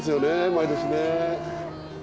毎年ね。